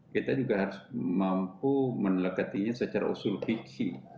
kita juga harus mampu menekatinya secara usul fikih